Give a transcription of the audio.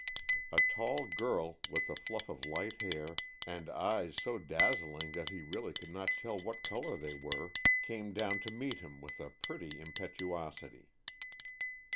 A tall girl, with a fluff of light hair and eyes so dazzling that he really could not tell what color they were, came down to meet him with a pretty impetuosity.